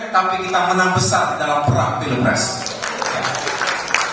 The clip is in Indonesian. tapi kita menang besar dalam perang pilpres